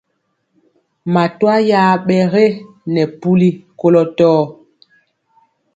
Matwa ya ɓɛ ge nɛ puli kolɔ tɔɔ.